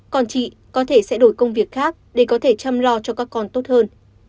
còn chị có thể sẽ đổi công việc khác để có thể chăm lo cho các con tốt hơn